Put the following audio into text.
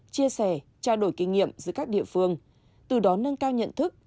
chia sẻ trao đổi kinh nghiệm giữa các địa phương từ đó nâng cao nhận thức